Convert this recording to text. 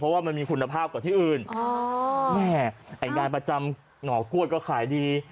เพราะว่ามันมีคุณภาพกว่าที่อื่นแม่ไอ้งานประจำหน่อกล้วยก็ขายดี